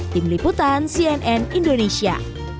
tim liputan cnn indonesia